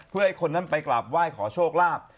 เพื่อให้คนนั้นไปกราบไหว้ขอโชคลาภ